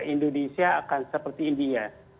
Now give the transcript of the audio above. indonesia akan seperti india